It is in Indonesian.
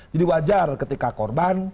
jadi wajar ketika korban